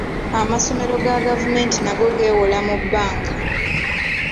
Amasomero ga gavumenti nago geewola mu bbanka.